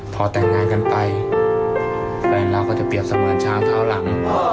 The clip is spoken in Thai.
พอแต่งงานกันไปแฟนเราก็จะเปรียบเสมือนช้างเท้าหลัง